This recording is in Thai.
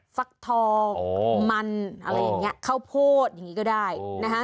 ฟักทองมันอะไรอย่างนี้ข้าวโพดอย่างนี้ก็ได้นะฮะ